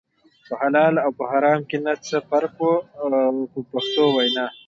په حلال او په حرام کې نه څه فرق و په پښتو وینا.